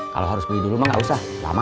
kalau harus beli dulu mah nggak usah lama